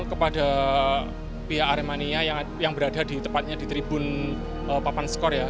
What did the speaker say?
kepada pihak aremania yang berada di tepatnya di tribun papan skor ya